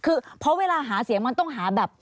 คือเพราะเวลาหาเสียงมันต้องหาแบบ